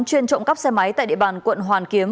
chuyên trộm cắp xe máy tại địa bàn quận hoàn kiếm